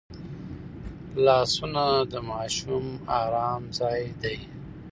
لاسونه د ماشوم ارام ځای دی